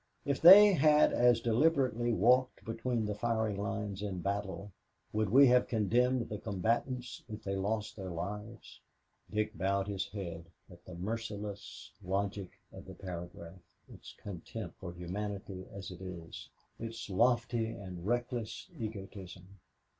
If they had as deliberately walked between the firing lines in battle, would we have condemned the combatants if they lost their lives?" Dick bowed his head at the merciless logic of the paragraph, its contempt for humanity as it is, its lofty and reckless egotism.